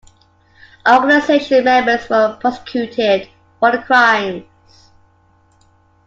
Organization members were prosecuted for the crimes.